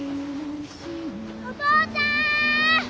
お父ちゃん！